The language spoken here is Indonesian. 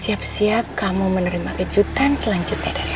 siap siap kamu menerima kejutan selanjutnya dari aku